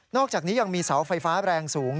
อกจากนี้ยังมีเสาไฟฟ้าแรงสูง